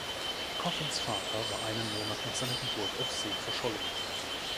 Coffins Vater war einen Monat nach seiner Geburt auf See verschollen.